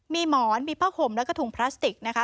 มีหมอนมีผ้าขมและกระถุงพลาสติก